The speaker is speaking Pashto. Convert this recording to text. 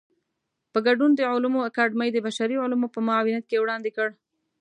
په ګډون د علومو اکاډمۍ د بشري علومو په معاونيت کې وړاندې کړ.